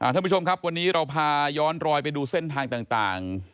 ท่านผู้ชมครับวันนี้เราพาย้อนรอยไปดูเส้นทางต่าง